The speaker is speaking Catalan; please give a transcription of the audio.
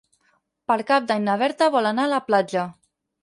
Per Cap d'Any na Berta vol anar a la platja.